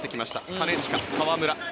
金近、河村。